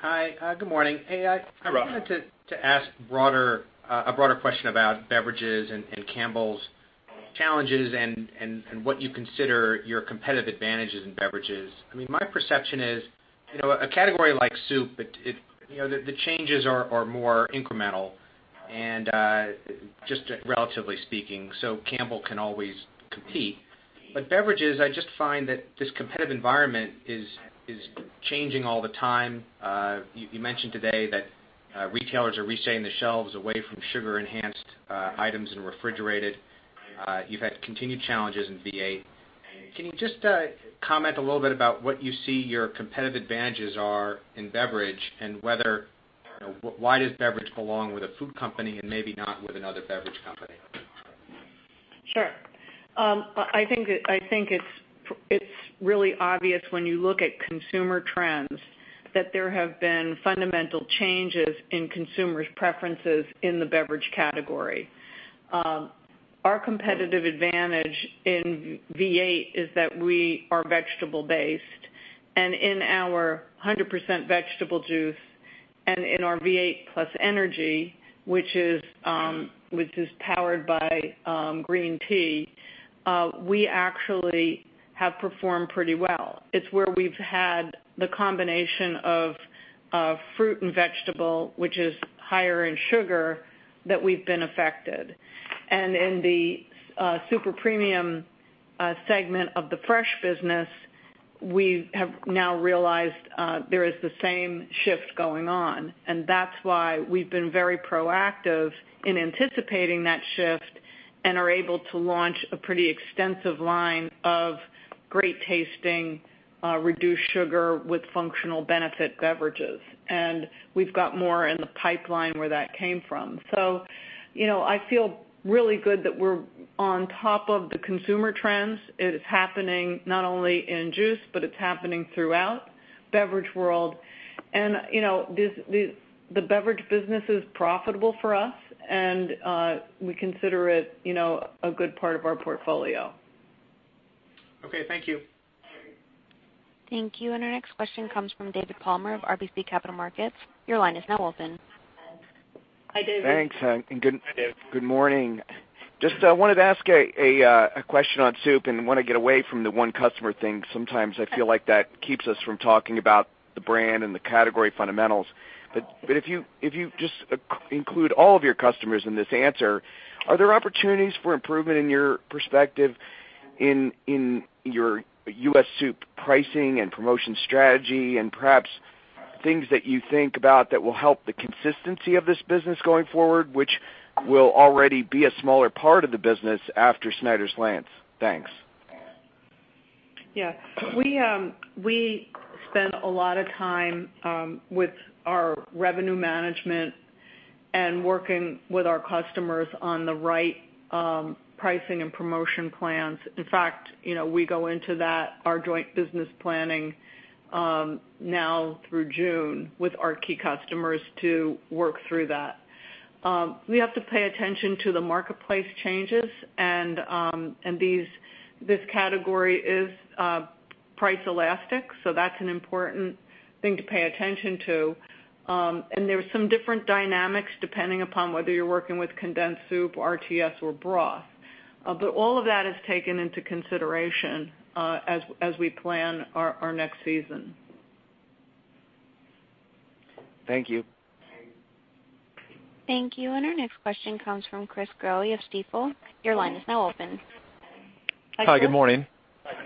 Hi, good morning. Hi, Rob. I wanted to ask a broader question about beverages and Campbell's challenges and what you consider your competitive advantages in beverages. My perception is, a category like soup, the changes are more incremental, just relatively speaking, so Campbell can always compete. Beverages, I just find that this competitive environment is changing all the time. You mentioned today that retailers are reshelving the shelves away from sugar-enhanced items and refrigerated. You've had continued challenges in V8. Can you just comment a little bit about what you see your competitive advantages are in beverage and why does beverage belong with a food company and maybe not with another beverage company? Sure. I think it's really obvious when you look at consumer trends that there have been fundamental changes in consumers' preferences in the beverage category. Our competitive advantage in V8 is that we are vegetable based, and in our 100% vegetable juice and in our V8 +Energy, which is powered by green tea, we actually have performed pretty well. It's where we've had the combination of fruit and vegetable, which is higher in sugar, that we've been affected. In the super premium segment of the fresh business, we have now realized there is the same shift going on, and that's why we've been very proactive in anticipating that shift and are able to launch a pretty extensive line of great-tasting, reduced-sugar with functional benefit beverages. We've got more in the pipeline where that came from. I feel really good that we're on top of the consumer trends. It is happening not only in juice, but it's happening throughout beverage world. The beverage business is profitable for us, and we consider it a good part of our portfolio. Okay, thank you. Thank you. Our next question comes from David Palmer of RBC Capital Markets. Your line is now open. Hi, David. Thanks. Hi, Dave. Good morning. Just wanted to ask a question on soup and want to get away from the one customer thing. Sometimes I feel like that keeps us from talking about the brand and the category fundamentals. If you just include all of your customers in this answer, are there opportunities for improvement in your perspective in your U.S. soup pricing and promotion strategy, and perhaps things that you think about that will help the consistency of this business going forward, which will already be a smaller part of the business after Snyder's-Lance? Thanks. Yeah. We spend a lot of time with our revenue management and working with our customers on the right pricing and promotion plans. In fact, we go into that, our joint business planning, now through June with our key customers to work through that. We have to pay attention to the marketplace changes, and this category is price elastic, so that's an important thing to pay attention to. There's some different dynamics depending upon whether you're working with condensed soup, RTS, or broth. All of that is taken into consideration as we plan our next season. Thank you. Thank you. Our next question comes from Chris Growe of Stifel. Your line is now open Hi, good morning.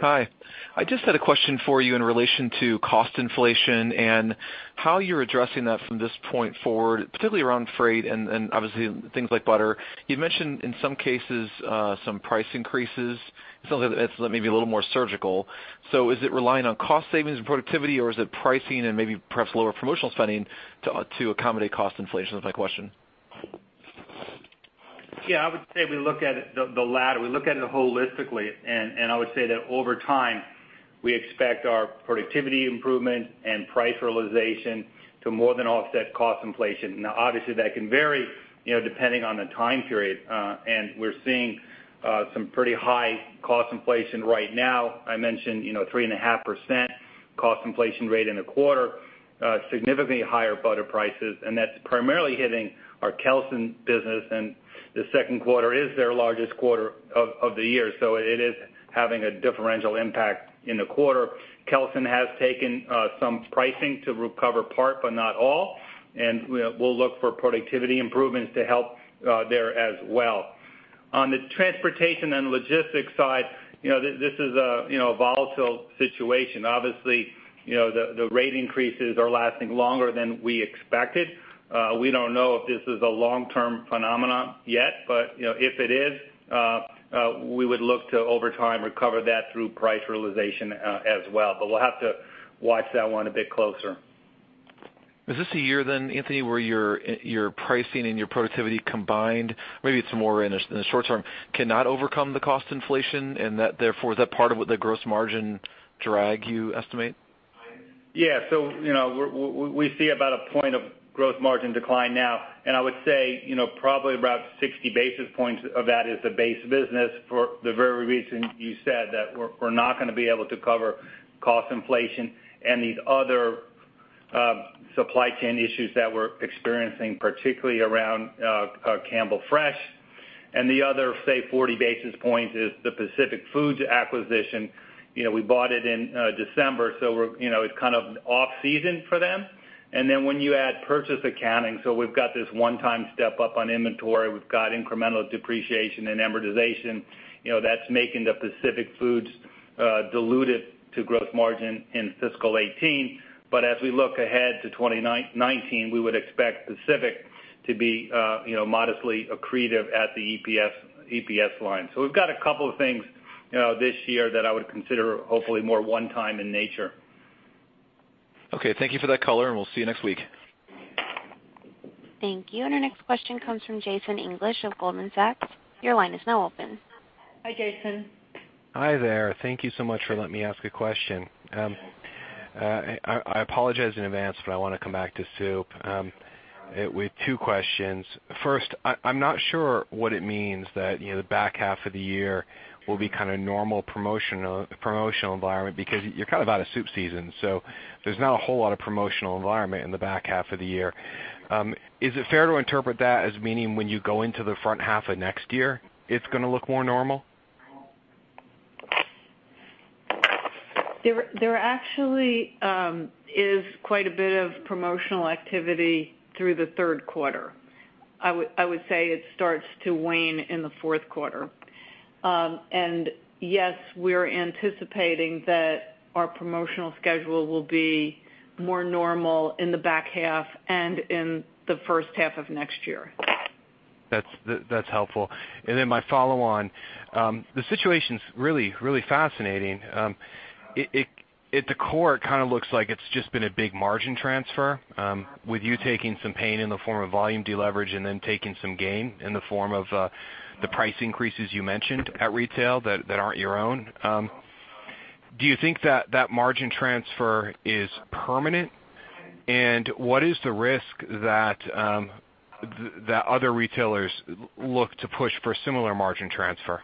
Hi. I just had a question for you in relation to cost inflation and how you're addressing that from this point forward, particularly around freight and obviously things like butter. You've mentioned in some cases some price increases. It sounds like that's maybe a little more surgical. Is it relying on cost savings and productivity, or is it pricing and maybe perhaps lower promotional spending to accommodate cost inflation, is my question? I would say we look at the latter. We look at it holistically, and I would say that over time, we expect our productivity improvement and price realization to more than offset cost inflation. Obviously that can vary depending on the time period. We're seeing some pretty high cost inflation right now. I mentioned 3.5% cost inflation rate in the quarter, significantly higher butter prices, and that's primarily hitting our Kelsen business and the second quarter is their largest quarter of the year, so it is having a differential impact in the quarter. Kelsen has taken some pricing to recover part, but not all, and we'll look for productivity improvements to help there as well. On the transportation and logistics side, this is a volatile situation. The rate increases are lasting longer than we expected. We don't know if this is a long-term phenomenon yet, but if it is, we would look to over time recover that through price realization as well. We'll have to watch that one a bit closer. Is this a year then, Anthony, where your pricing and your productivity combined, maybe it's more in the short term, cannot overcome the cost inflation and that therefore, is that part of what the gross margin drag you estimate? Yeah. We see about a point of gross margin decline now, and I would say, probably around 60 basis points of that is the base business for the very reason you said that we're not going to be able to cover cost inflation and these other supply chain issues that we're experiencing, particularly around Campbell Fresh. The other, say, 40 basis points is the Pacific Foods acquisition. We bought it in December, so it's kind of off-season for them. When you add purchase accounting, we've got this one-time step up on inventory. We've got incremental depreciation and amortization, that's making the Pacific Foods diluted to gross margin in fiscal 2018. As we look ahead to 2019, we would expect Pacific to be modestly accretive at the EPS line. We've got a couple of things this year that I would consider hopefully more one-time in nature. Okay. Thank you for that color, we'll see you next week. Thank you. Our next question comes from Jason English of Goldman Sachs. Your line is now open. Hi, Jason. Hi there. Thank you so much for letting me ask a question. I apologize in advance. I want to come back to soup. With two questions. First, I'm not sure what it means that the back half of the year will be kind of normal promotional environment because you're kind of out of soup season, so there's not a whole lot of promotional environment in the back half of the year. Is it fair to interpret that as meaning when you go into the front half of next year, it's going to look more normal? There actually is quite a bit of promotional activity through the third quarter. I would say it starts to wane in the fourth quarter. Yes, we're anticipating that our promotional schedule will be more normal in the back half and in the first half of next year. That's helpful. Then my follow on. The situation's really fascinating. At the core, it kind of looks like it's just been a big margin transfer, with you taking some pain in the form of volume deleverage and then taking some gain in the form of the price increases you mentioned at retail that aren't your own. Do you think that that margin transfer is permanent? What is the risk that other retailers look to push for a similar margin transfer?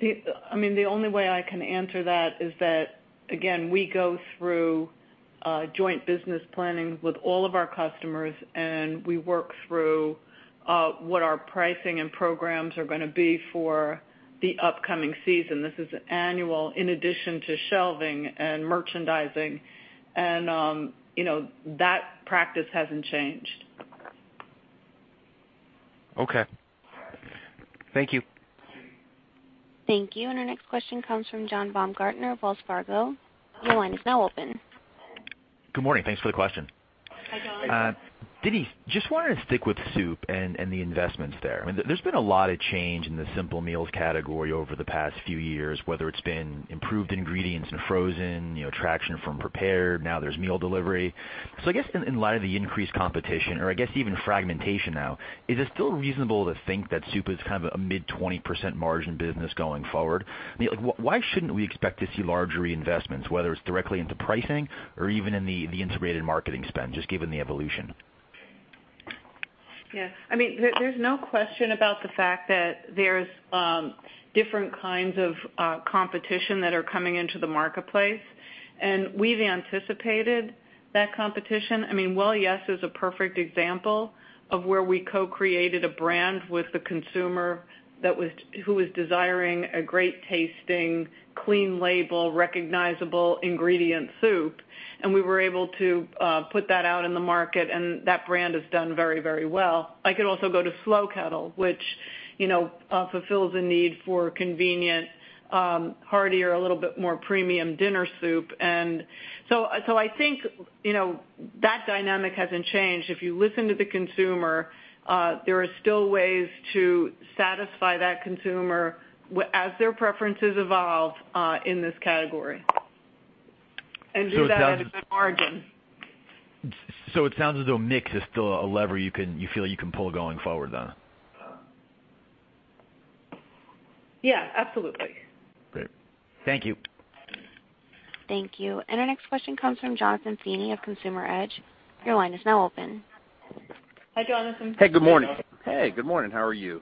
The only way I can answer that is that, again, we go through joint business planning with all of our customers, and we work through what our pricing and programs are going to be for the upcoming season. This is annual, in addition to shelving and merchandising. That practice hasn't changed. Okay. Thank you. Thank you. Our next question comes from John Baumgartner of Wells Fargo. Your line is now open. Good morning. Thanks for the question. Hi, John. Denise, just wanted to stick with soup and the investments there. There's been a lot of change in the simple meals category over the past few years, whether it's been improved ingredients in frozen, traction from prepared, now there's meal delivery. I guess in light of the increased competition, or I guess even fragmentation now, is it still reasonable to think that soup is kind of a mid-20% margin business going forward? Why shouldn't we expect to see large reinvestments, whether it's directly into pricing or even in the integrated marketing spend, just given the evolution? Yes. There's no question about the fact that there's different kinds of competition that are coming into the marketplace, and we've anticipated that competition. Well Yes! is a perfect example of where we co-created a brand with the consumer who was desiring a great-tasting, clean label, recognizable ingredient soup, and we were able to put that out in the market, and that brand has done very well. I could also go to Slow Kettle, which fulfills a need for convenient, heartier, a little bit more premium dinner soup. I think that dynamic hasn't changed. If you listen to the consumer, there are still ways to satisfy that consumer as their preferences evolve in this category and do that at a good margin. It sounds as though mix is still a lever you feel you can pull going forward, then. Yeah, absolutely. Great. Thank you. Thank you. Our next question comes from Jonathan Feeney of Consumer Edge. Your line is now open. Hi, Jonathan. Hey, good morning. Hey, good morning. How are you?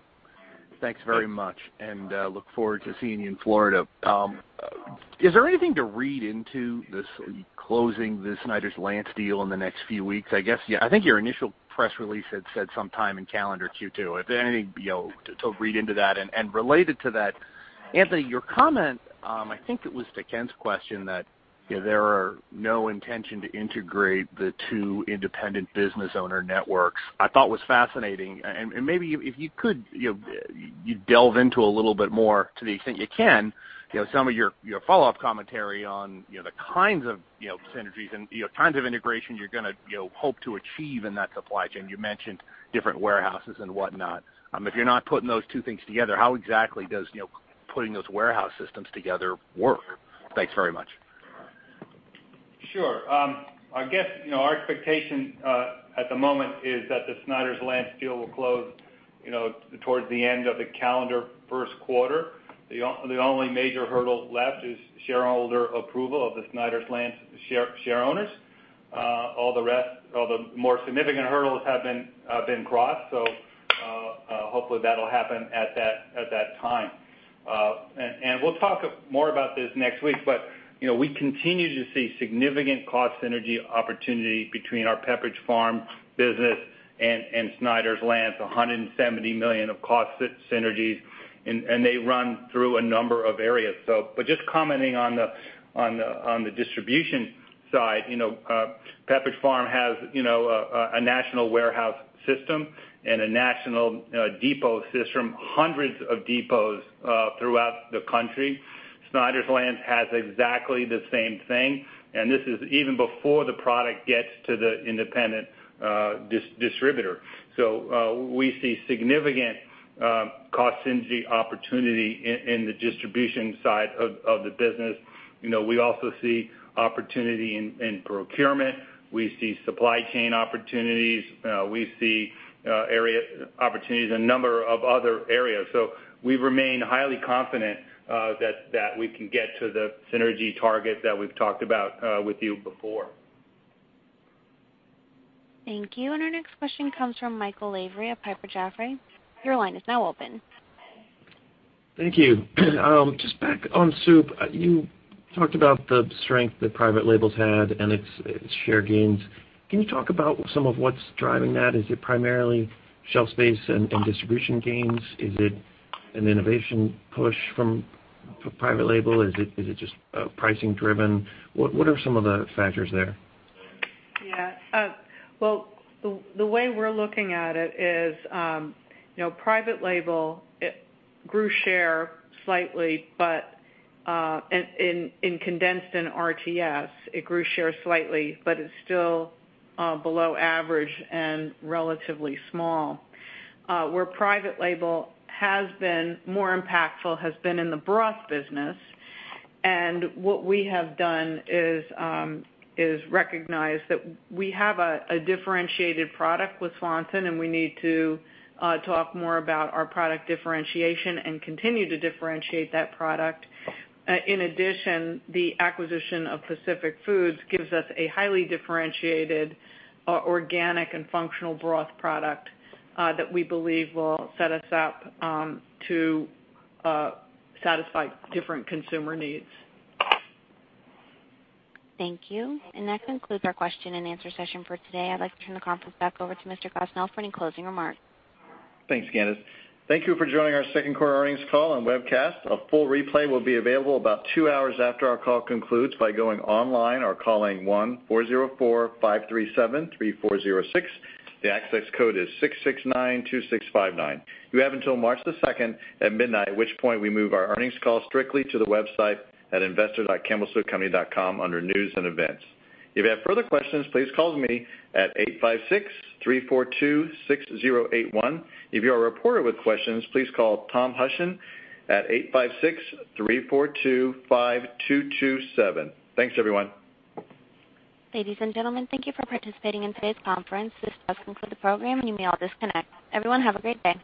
Thanks very much. Look forward to seeing you in Florida. Is there anything to read into this closing the Snyder's-Lance deal in the next few weeks? I think your initial press release had said sometime in calendar Q2. Is there anything to read into that? Related to that, Anthony, your comment, I think it was to Ken's question, that there are no intention to integrate the two independent business owner networks, I thought was fascinating. Maybe if you could, you delve into a little bit more to the extent you can, some of your follow-up commentary on the kinds of synergies and kinds of integration you're gonna hope to achieve in that supply chain. You mentioned different warehouses and whatnot. If you're not putting those two things together, how exactly does putting those warehouse systems together work? Thanks very much. Sure. Our expectation at the moment is that the Snyder's-Lance deal will close towards the end of the calendar first quarter. The only major hurdle left is shareholder approval of the Snyder's-Lance share owners. All the more significant hurdles have been crossed, hopefully that'll happen at that time. We'll talk more about this next week, but we continue to see significant cost synergy opportunity between our Pepperidge Farm business and Snyder's-Lance, $170 million of cost synergies, and they run through a number of areas. Just commenting on the distribution side, Pepperidge Farm has a national warehouse system and a national depot system, hundreds of depots throughout the country. Snyder's-Lance has exactly the same thing, and this is even before the product gets to the independent distributor. We see significant cost synergy opportunity in the distribution side of the business. We also see opportunity in procurement. We see supply chain opportunities. We see opportunities in a number of other areas. We remain highly confident that we can get to the synergy target that we've talked about with you before. Thank you. Our next question comes from Michael Lavery of Piper Jaffray. Your line is now open. Thank you. Just back on soup, you talked about the strength that private labels had and its share gains. Can you talk about some of what's driving that? Is it primarily shelf space and distribution gains? Is it an innovation push from private label? Is it just pricing driven? What are some of the factors there? Yeah. Well, the way we're looking at it is private label grew share slightly, but in condensed and RTS, it grew share slightly, but it's still below average and relatively small. Where private label has been more impactful has been in the broth business, and what we have done is recognize that we have a differentiated product with Swanson, and we need to talk more about our product differentiation and continue to differentiate that product. In addition, the acquisition of Pacific Foods gives us a highly differentiated organic and functional broth product that we believe will set us up to satisfy different consumer needs. Thank you. That concludes our question and answer session for today. I'd like to turn the conference back over to Mr. Gosnell for any closing remarks. Thanks, Candice. Thank you for joining our second quarter earnings call and webcast. A full replay will be available about two hours after our call concludes by going online or calling 1-404-537-3406. The access code is 6692659. You have until March the 2nd at midnight, at which point we move our earnings call strictly to the website at investor.campbellsoupcompany.com under News and Events. If you have further questions, please call me at 856-342-6081. If you are a reporter with questions, please call Tom Hushen at 856-342-5227. Thanks, everyone. Ladies and gentlemen, thank you for participating in today's conference. This does conclude the program, you may all disconnect. Everyone, have a great day.